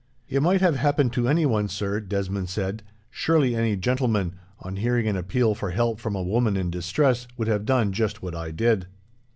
"It might have happened to anyone, sir," Desmond said; "surely any gentleman, on hearing an appeal for help from a woman in distress, would have done just what I did."